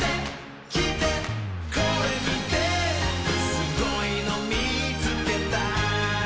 「すごいのみつけた」